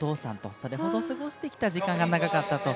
それほど過ごしてきた時間が長かったと。